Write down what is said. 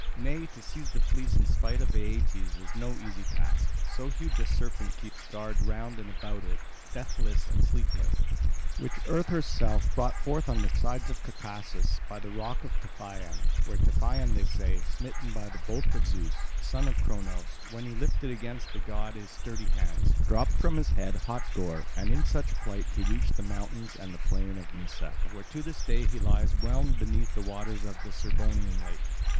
Nay, to seize the fleece in spite of Aeetes is no easy task; so huge a serpent keeps guard round and about it, deathless and sleepless, which Earth herself brought forth on the sides of Caucasus, by the rock of Typhaon, where Typhaon, they say, smitten by the bolt of Zeus, son of Cronos, when he lifted against the god his sturdy hands, dropped from his head hot gore; and in such plight he reached the mountains and plain of Nysa, where to this day he lies whelmed beneath the waters of the Serbonian lake."